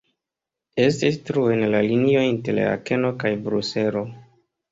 Estis truo en la linio inter Akeno kaj Bruselo.